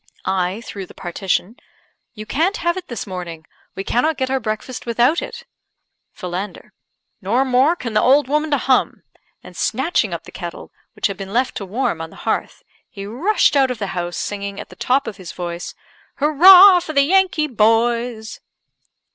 I (through the partition ): "You can't have it this morning. We cannot get our breakfast without it." Philander: "Nor more can the old woman to hum," and, snatching up the kettle, which had been left to warm on the hearth, he rushed out of the house, singing, at the top of his voice "Hurrah for the Yankee Boys!"